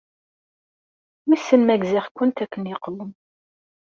Wissen ma gziɣ-kent akken yeqwem.